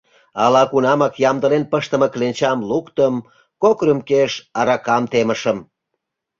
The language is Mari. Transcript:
Ала-кунамак ямдылен пыштыме кленчам луктым, кок рюмкеш аракам темышым.